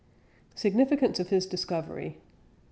SIGNIFICANCE OF HIS DISCOVERY.